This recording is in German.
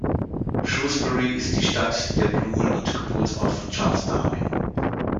Shrewsbury ist die Stadt der Blumen und Geburtsort von Charles Darwin.